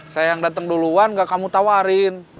saya yang datang duluan gak kamu tawarin